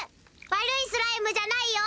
悪いスライムじゃないよ！